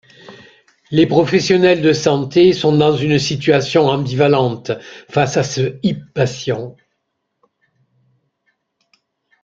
Les professionnels de santé sont dans une situation ambivalente face à cet e-patient.